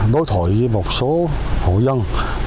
đối thổi với một số hộ dân